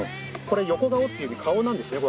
これ横顔っていう顔なんですね